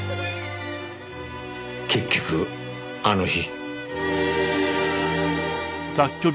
結局あの日。